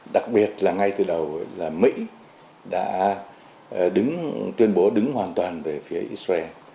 đặc biệt là ngay từ đầu là mỹ đã tuyên bố đứng hoàn toàn về phía israel